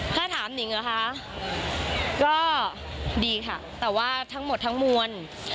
ถ้าถามนิงเหรอคะก็ดีค่ะแต่ว่าทั้งหมดทั้งมวล